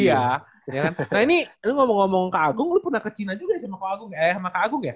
iya nah ini lu ngomong ngomong keagung lu pernah ke china juga sama keagung ya